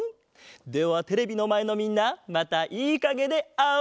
ではテレビのまえのみんなまたいいかげであおう。